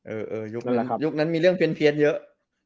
เออยุคนั้นมีเรื่องเพียนเยอะ